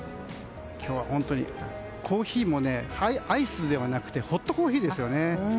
コーヒーもアイスではなくてホットコーヒーですよね。